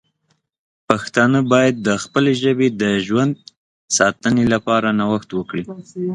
پښتانه باید د خپلې ژبې د ژوند ساتنې لپاره نوښت وکړي.